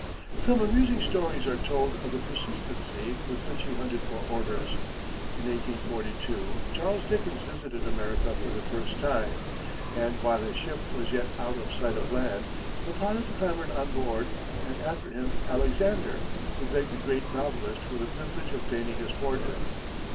Some amusing stories are told of the persistency with which he hunted for orders. In 1842, Charles Dickens visited America for the first time, and while his ship was yet out of sight of land, the pilot clambered on board, and after him Alexander, who begged the great novelist for the privilege of painting his portrait.